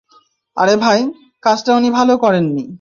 আরে ভাই, কাজটা উনি ভালো করেননি।